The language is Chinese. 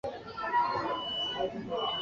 各大城市有国际知名的音乐中心。